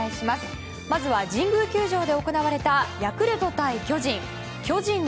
まずは神宮球場で行われたヤクルト対巨人。